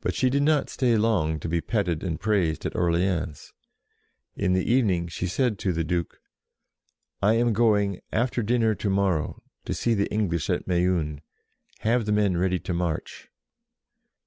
But she did not stay long to be petted and praised at Orleans. In the evening she said to the DEFEATS THE ENGLISH 55 Duke, "I am going, after dinner to morrow, to see the English at Meun. Have the men ready to march."